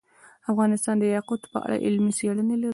افغانستان د یاقوت په اړه علمي څېړنې لري.